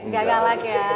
gak galak ya